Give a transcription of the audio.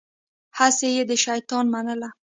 هسې يې د شيطان منله.